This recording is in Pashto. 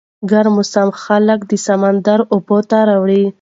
ګرم موسم خلک د سمندر اوبو ته راوړي.